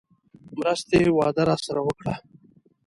مرستې وعده راسره وکړه.